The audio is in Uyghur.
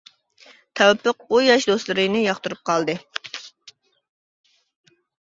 تەۋپىق بۇ ياش دوستلىرىنى ياقتۇرۇپ قالدى.